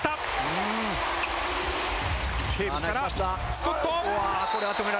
スコット。